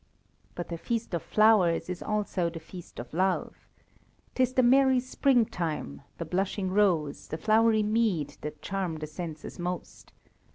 But the feast of flowers is also the feast of Love. 'Tis the merry springtime, the blushing rose, the flowery mead that charm the senses most.